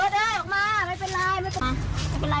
โรสออกมาไม่เป็นไร